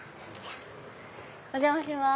お邪魔します。